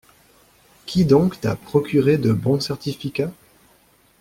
Qui donc t’a procuré de bons certificats ?